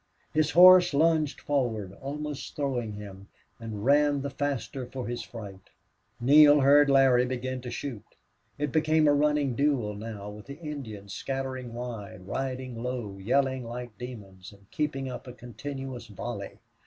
His horse lunged forward, almost throwing him, and ran the faster for his fright. Neale heard Larry begin to shoot. It became a running duel now, with the Indians scattering wide, riding low, yelling like demons, and keeping up a continuous volley.